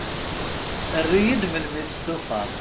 Err-iyi-d melmi testufaḍ.